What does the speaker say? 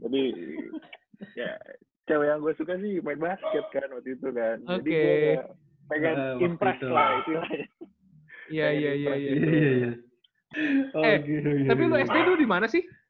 tapi cewek yang gue suka sih main basket kan waktu itu kan